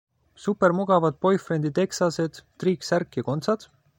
Supermugavad boyfriend'i-teksased, triiksärk ja kontsad?